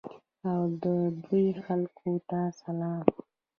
او د دوی خلکو ته سلام.